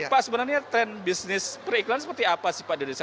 pak sebenarnya tren bisnis periklan seperti apa sih pak di desa